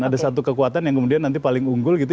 ada satu kekuatan yang kemudian nanti paling unggul gitu ya